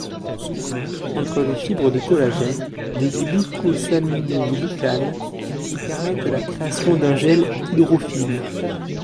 Entre les fibres de collagène, des glycosaminoglycanes qui permettent la création d'un gel hydrophile.